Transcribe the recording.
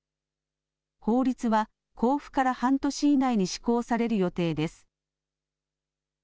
法律は公布から半年以内に施行される予定です。